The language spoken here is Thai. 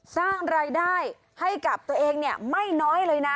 สร้างรายได้ให้กับตัวเองไม่น้อยเลยนะ